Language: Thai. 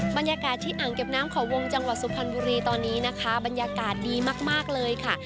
บรรยากาศที่อ่างเก็บน้ำเขาวงจังหวัดสุพรรณบุรีตอนนี้นะคะบรรยากาศดีมากเลยค่ะ